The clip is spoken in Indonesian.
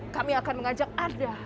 kami akan mengajak anda